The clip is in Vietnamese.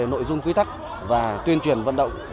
nội dung quy tắc và tuyên truyền vận động